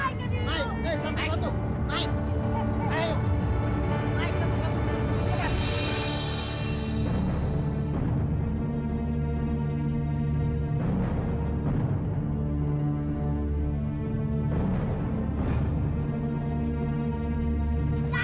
naik naik satu satu